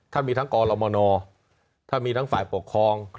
ถ้ามีทั้งกรมนถ้ามีทั้งฝ่ายปกครอง